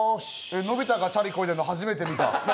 のび太がチャリこいでるの初めて見た。